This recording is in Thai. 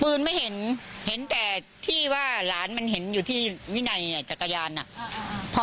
ปืนไม่เห็นเห็นแต่ที่ว่าหลานมันเห็นอยู่ที่วินัยเนี้ยจักรยานอ่ะอ่าอ่า